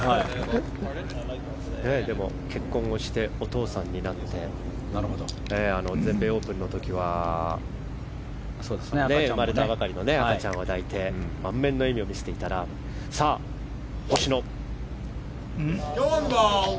でも結婚をしてお父さんになって全米オープンの時は生まれたばかりの赤ちゃんを抱いて満面の笑みを見せていたラーム。